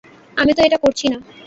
আমি তো এটা করছি না।